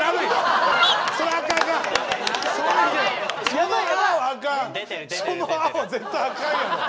その「あ」は絶対あかんやろ。